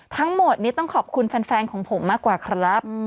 ทั้งหมดนี้ต้องขอบคุณแฟนของผมมากกว่าครับ